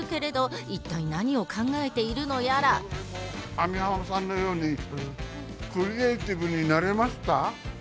網浜さんのようにクリエーティブになれますか？